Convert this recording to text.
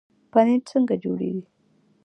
پنیر څنګه جوړیږي؟